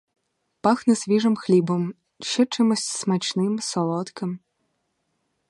Пахне свіжим хлібом, ще чимось смачним, солодким.